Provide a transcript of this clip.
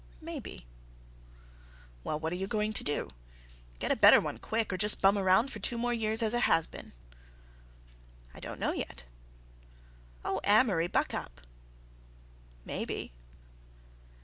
"Maybe." "Well, what are you going to do? Get a better one quick, or just bum around for two more years as a has been?" "I don't know yet..." "Oh, Amory, buck up!" "Maybe."